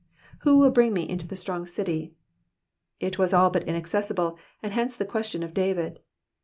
Who wiU bring me into the strong city f " It was all but inaccessible, and hence the question of David.